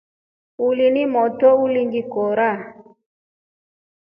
Uli ni motro ulingikora.